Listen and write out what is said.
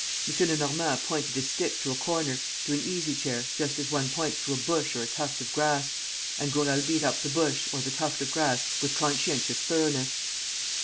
M. Lenormand pointed his stick to a corner, to an easy chair, just as one points to a bush or a tuft of grass, and Gourel beat up the bush or the tuft of grass with conscientious thoroughness.